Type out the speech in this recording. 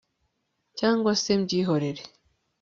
cyangwa se mbyihorere